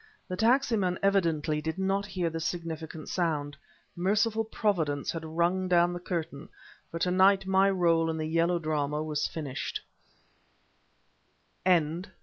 The taxi man evidently did not hear the significant sound. Merciful Providence had rung down the curtain; for to night my role in the yellow drama was finished.